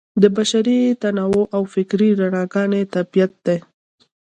د بشري تنوع او فکري رنګارنګۍ طبیعت دی.